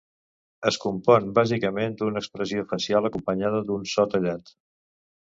Es compon bàsicament d'una expressió facial acompanyada d'un so tallat.